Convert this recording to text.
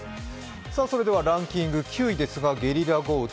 それではランキング９位ですがゲリラ豪雨。